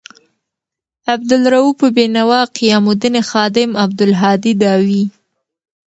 عبدا لروؤف بینوا، قیام الدین خادم، عبدالهادي داوي